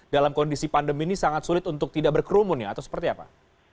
dalam kondisi pandemi ini sangat sulit untuk tidak berkerumun ya atau seperti apa